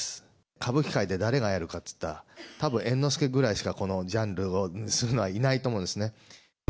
歌舞伎界で誰がやるかっていったら、たぶん、猿之助ぐらいしか、このジャンルをするのはいないと思うんですね。